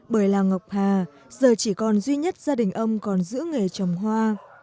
bởi làng ngọc hà giờ chỉ còn duy nhất gia đình ông còn giữ nghề trồng hoa